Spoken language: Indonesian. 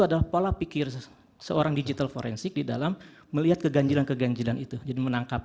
adalah pola pikir seorang digital forensik di dalam melihat keganjilan keganjilan itu jadi menangkap